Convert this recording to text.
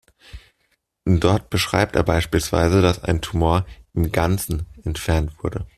Dort beschreibt er beispielsweise, dass ein Tumor "im Ganzen" entfernt wurde.